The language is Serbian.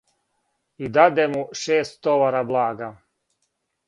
И даде му шест товара блага: